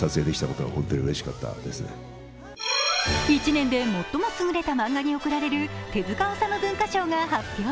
１年で最も優れた漫画に贈られる手塚治虫大賞が発表。